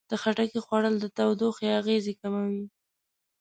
د خټکي خوړل د تودوخې اغېزې کموي.